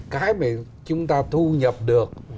cái mà chúng ta thu nhập được